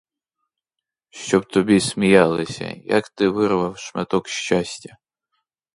Щоб тобі сміялися, як ти вирвав шматок щастя?